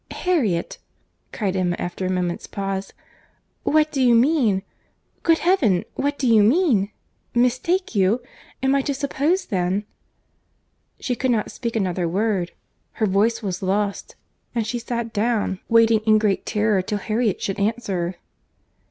"Harriet!" cried Emma, after a moment's pause—"What do you mean?—Good Heaven! what do you mean?—Mistake you!—Am I to suppose then?—" She could not speak another word.—Her voice was lost; and she sat down, waiting in great terror till Harriet should answer.